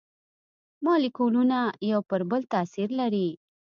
مالیکولونه یو پر بل تاثیر لري.